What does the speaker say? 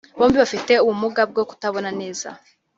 bombi bafite ubumuga bwo kutabona neza